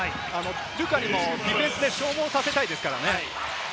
ルカにもディフェンスで消耗させたいですからね。